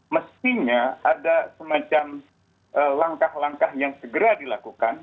mestinya ada semacam langkah langkah yang segera dilakukan